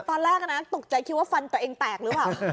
ตอนแรกนะตกใจคิดว่าฟันตัวเองแตกหรือเปล่า